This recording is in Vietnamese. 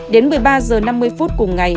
đến một mươi ba h năm mươi phút cùng ngày